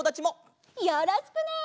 よろしくね！